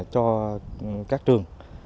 cho các trường